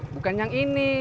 bukan yang ini